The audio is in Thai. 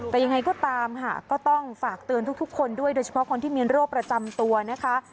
แต่ยังไงก็ตามค่ะก็ต้องฝากเตือนทุกคนด้วยโดยเฉพาะคนที่มีโรคประจำตัวนะคะ